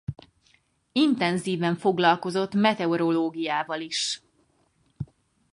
Intenzíven foglalkozott meteorológiával is.